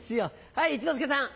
はい一之輔さん。